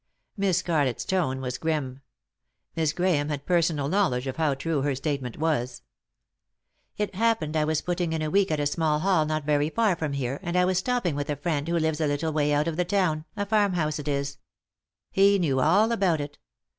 Miss Scarlett's tone was grim. Miss Grahame had personal knowledge of how true her statement was. " It happened I was putting in a week at a small hall not very far from here, and I was stopping with a friend who lives a little way out of the town — a farm house it is. He knew all about it.